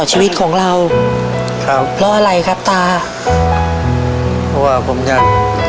หนึ่งแสนบาท